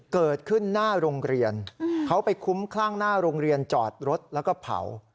เกิดขึ้นหน้าโรงเรียนเขาไปคุ้มคลั่งหน้าโรงเรียนจอดรถแล้วก็เผา